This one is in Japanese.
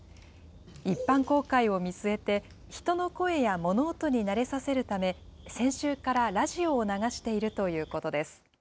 一般公開を見据えて、人の声や物音に慣れさせるため、先週からラジオを流しているということです。